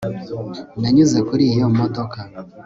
nanyuze kuri iyo modoka